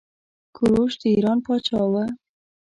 کوروش د ايران پاچا وه.